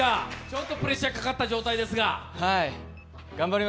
ちょっとプレッシャーかかった状態ですが。